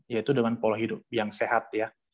yaitu dengan pola hidup yang sehat ya